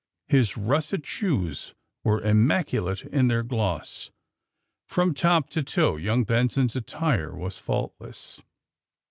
His russet shoes were immaculate in their gloss. Prom top to toe young Benson's attire was faultless.